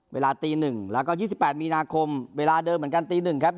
เวลาตี๑แล้วก็๒๘มีนาคมเวลาเดิมเหมือนกันตี๑ครับ